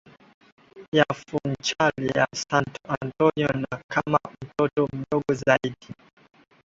Ya Funchal ya Santo Antonio na kama mtoto mdogo zaidi